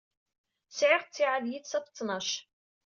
Sɛiɣ ttiɛad yid-s ɣef ttnac.